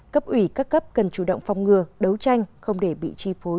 cấp ủy các cấp cần chủ động phong ngừa đấu tranh không để bị chi phối